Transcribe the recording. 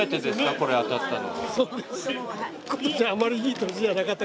これ当たったの。